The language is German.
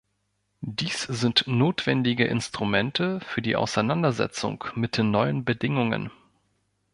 Dies sind notwendige Instrumente für die Auseinandersetzung mit den neuen Bedingungen.